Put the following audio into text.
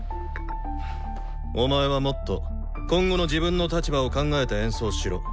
お前はもっと今後の自分の立場を考えて演奏しろ。